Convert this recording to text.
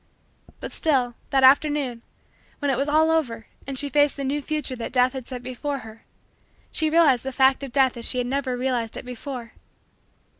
But still, that afternoon, when it was all over, and she faced the new future that Death had set before her, she realized the fact of Death as she had never realized it before.